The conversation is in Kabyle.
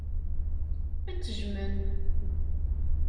Ad t-jjmen.